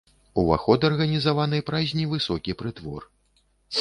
Уваход арганізаваны праз невысокі прытвор.